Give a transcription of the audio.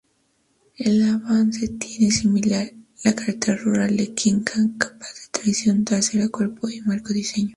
El Avanza tiene similar a la carretera rural de Kijang-capaz, tracción trasera, cuerpo-en-marco diseño.